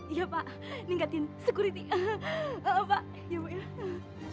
iya pak ningkatin security pak iya bu ya